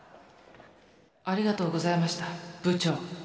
ありがとうございました部長。